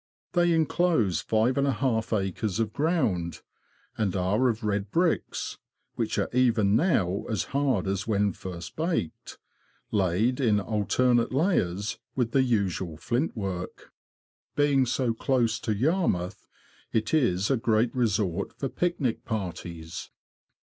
They inclose five and a half acres of ground, and are of red bricks (which are even now as hard as when first baked), laid in alternate layers with the usual flintwork. Being so close to Yarmouth, it is a great resort for picnic parties.